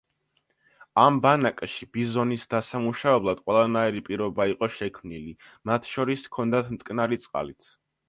ამ ბანაკში ბიზონის დასამუშავებლად ყველანაირი პირობა იყო შექმნილი, მათ შორის, ჰქონდათ მტკნარი წყალიც.